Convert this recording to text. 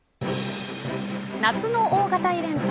夏の大型イベント